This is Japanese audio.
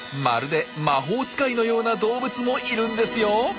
まるで魔法使いのような動物もいるんですよ！